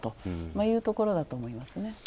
いうところだと思いますね。